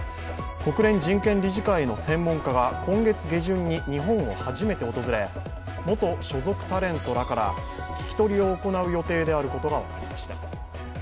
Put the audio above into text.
国連人権理事会の専門家が今月下旬に日本を初めて訪れ元所属タレントらから聞き取りを行う予定であることが分かりました。